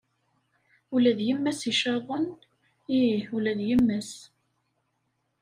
Ula d yemma-s icaḍen? Ih ula d yemma-s.